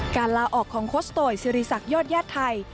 ลาออกของโคชโตยสิริษักยอดญาติไทย